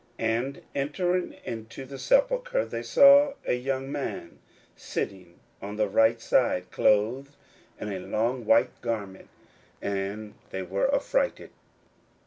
41:016:005 And entering into the sepulchre, they saw a young man sitting on the right side, clothed in a long white garment; and they were affrighted.